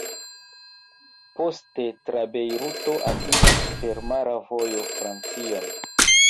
Poste tra Bejruto atingis per mara vojo Francion.